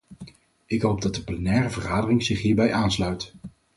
Ik hoop dat de plenaire vergadering zich hierbij aansluit.